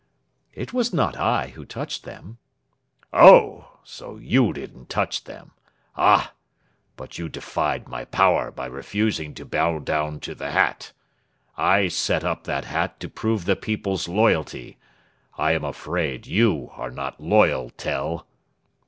"It was not I who touched them." "Oh, so you didn't touch them? Ah! But you defied my power by refusing to bow down to the hat. I set up that hat to prove the people's loyalty. I am afraid you are not loyal, Tell."